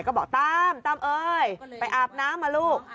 ก็บอกตั้มตั้มเอ่ยไปอาบน้ำล่ะลูก